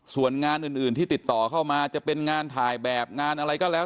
ส่วนงานอื่นที่ติดต่อเข้ามาจะเป็นงานถ่ายแบบงานอะไรก็แล้ว